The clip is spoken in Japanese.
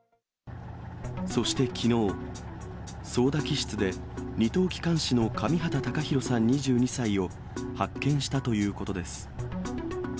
そしてきのう、操だ機室で二等機関士の上畠隆寛さん２２歳を発見したということです。